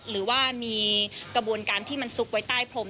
หรือว่ามีกระบวนการที่มันซุกไว้ใต้พรม